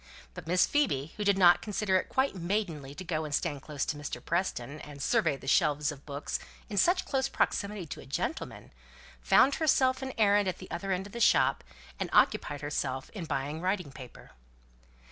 But Miss Phoebe, who did not consider it quite maidenly to go and stand close to Mr. Preston, and survey the shelves of books in such close proximity to a gentleman, found herself an errand at the other end of the shop, and occupied herself in buying writing paper.